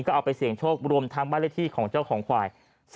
ก็เอาไปเสี่ยงโชครวมทั้งบ้านเลขที่ของเจ้าของควาย